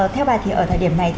theo bà thì ở thời điểm này